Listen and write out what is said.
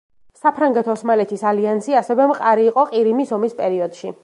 საფრანგეთ-ოსმალეთის ალიანსი ასევე მყარი იყო ყირიმის ომის პერიოდში.